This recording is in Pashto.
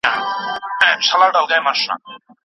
دژوند کولو لپاره بايد قوي شو